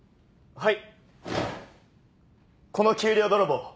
はい。